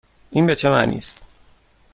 این به چه معنی است؟